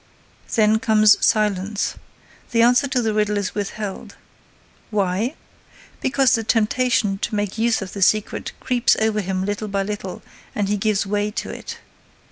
Then comes silence. The answer to the riddle is withheld. Why? Because the temptation to make use of the secret creeps over him little by little and he gives way to it.